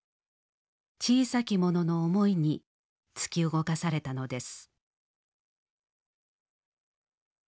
「小さきもの」の思いに突き動かされたのです。